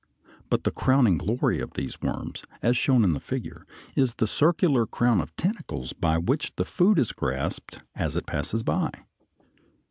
But the crowning glory of these worms, as shown in the figure, is the circular crown of tentacles by which food is grasped as it passes by.